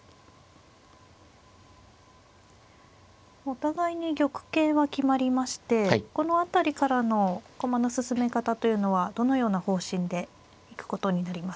お互いに玉形は決まりましてこの辺りからの駒の進め方というのはどのような方針で行くことになりますか。